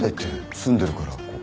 住んでるからここ。